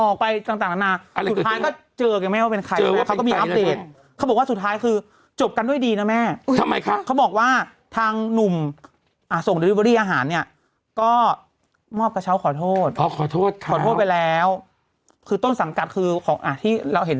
ค่ะอ๋อตอนนี้ดูบัยเดี๋ยวเขาจะส่งมอบแล้ว